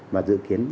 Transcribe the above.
và dự kiến